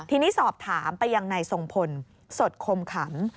ทีนี้สอบถามไปอย่างไหนสงพลสดคมขำ